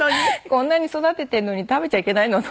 こんなに育ててるのに食べちゃいけないの？と思って。